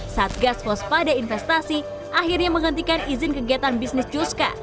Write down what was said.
satgas waspada investasi akhirnya menghentikan izin kegiatan bisnis juska